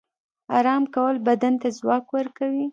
آرام کول بدن ته ځواک ورکوي